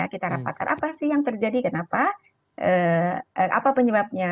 kita rapatkan apa sih yang terjadi kenapa apa penyebabnya